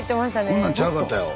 こんなんちゃうかったよ。